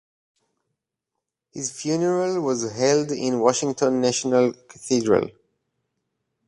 His funeral was held in Washington National Cathedral.